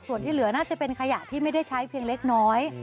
ส่วนที่เหลือน่าจะเป็นขยะที่ไม่ได้ใช้เพียงเล็กน้อย